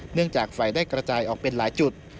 จากไฟได้กระจายออกเป็นหลายจุด